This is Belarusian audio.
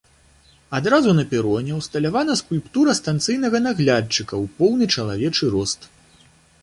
Адразу на пероне ўсталявана скульптура станцыйнага наглядчыка ў поўны чалавечы рост.